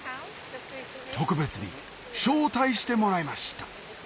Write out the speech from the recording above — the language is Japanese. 特別に招待してもらいました